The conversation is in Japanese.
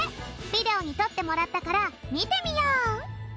ビデオにとってもらったからみてみよう。